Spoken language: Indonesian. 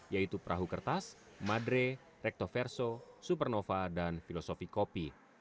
yaitu perahu kertas madre rectoverso supernova dan filosofi kopi